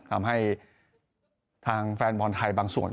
ทำให้ทางแฟนบอลไทยบางส่วน